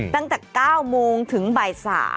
ตั้งแต่๙โมงถึงบ่าย๓